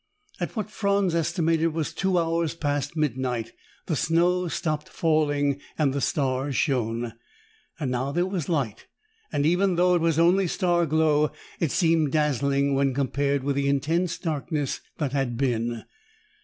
At what Franz estimated was two hours past midnight, the snow stopped falling and the stars shone. Now there was light, and, even though it was only star glow, it seemed dazzling when compared with the intense darkness that had been.